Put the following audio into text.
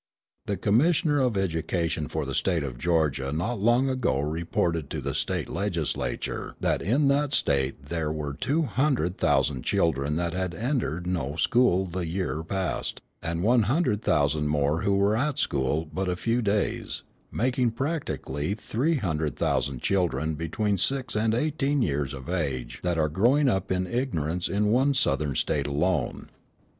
The Commissioner of Education for the State of Georgia not long ago reported to the State legislature that in that State there were two hundred thousand children that had entered no school the year past and one hundred thousand more who were at school but a few days, making practically three hundred thousand children between six and eighteen years of age that are growing up in ignorance in one Southern State alone.